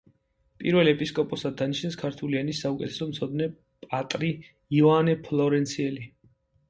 პირველ ეპისკოპოსად დანიშნეს ქართული ენის საუკეთესო მცოდნე პატრი იოანე ფლორენციელი.